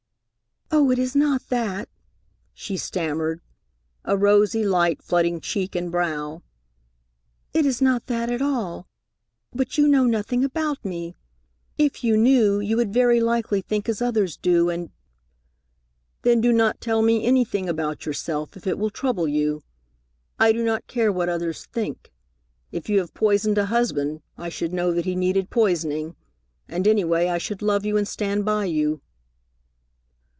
"Oh, it is not that," she stammered, a rosy light flooding cheek and brow. "It is not that at all. But you know nothing about me. If you knew, you would very likely think as others do, and " "Then do not tell me anything about yourself, if it will trouble you. I do not care what others think. If you have poisoned a husband, I should know that he needed poisoning, and any way I should love you and stand by you."